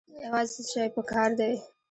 یوازې څه شی پکار دی؟